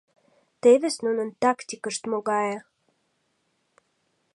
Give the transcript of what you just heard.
Тевыс нунын тактикышт могае!..